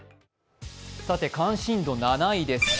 関心度７位です。